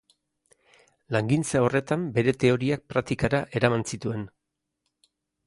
Langintza horretan, bere teoriak praktikara eraman zituen.